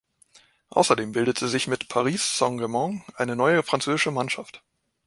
Außerdem bildete sich mit Paris Saint-Germain eine neue französische Mannschaft.